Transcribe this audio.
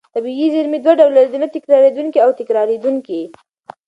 طبیعي زېرمې دوه ډوله دي: نه تکرارېدونکې او تکرارېدونکې.